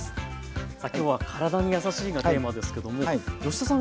さあきょうは体にやさしいがテーマですけども吉田さん